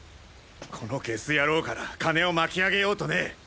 このゲスヤローから金を巻き上げようとね！